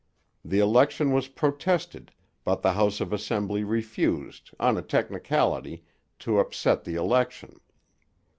The election was protested, but the House of Assembly refused, on a technicality, to upset the election.